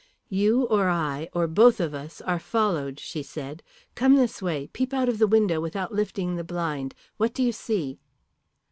"You or I, or both of us, are followed," she said. "Come this way. Peep out of the window without lifting the blind. What do you see?"